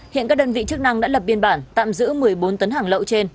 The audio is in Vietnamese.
hiện các đơn vị chức năng đã lập biên bản tạm giữ một mươi bốn tấn hàng lậu trên